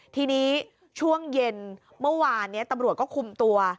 ทีนี้ช่วงเย็นเมื่อวานนี้ตำรวจก็คุมตัว